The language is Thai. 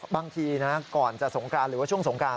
บางทีนะก่อนจะสงกรานหรือว่าช่วงสงกราน